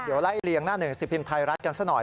เดี๋ยวไล่เลียงหน้าหนึ่งสิบพิมพ์ไทยรัฐกันซะหน่อย